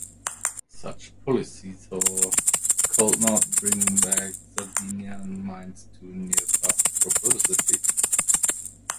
Such policy though could not bring back Sardinian mines to their past prosperity.